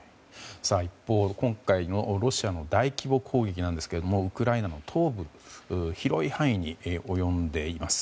一方、今回のロシアの大規模攻撃なんですがウクライナの東部広い範囲に及んでいます。